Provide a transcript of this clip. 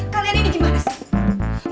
kalian ini gimana sih